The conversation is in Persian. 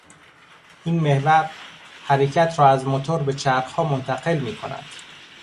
این محور، حرکت را از موتور به چرخها منتقل میکند.